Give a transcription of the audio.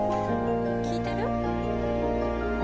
聞いてる？